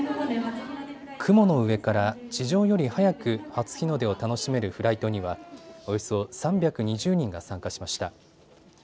雲の上から地上より早く初日の出を楽しめるフライトにはおよそ３２０人が参加しました。